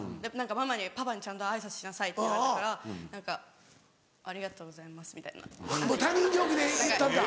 ママに「パパにちゃんと挨拶しなさい」って言われたから何か「ありがとうございます」みたいな。他人行儀で言ったんだ。